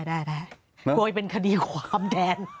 กลัวให้เป็นคดีของคำแดน